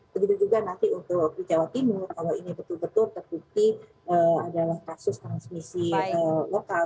begitu juga nanti untuk di jawa timur kalau ini betul betul terbukti adalah kasus transmisi lokal